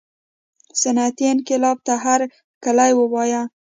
صنعتي انقلاب ته هرکلی ووایه.